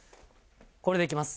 これでいきます。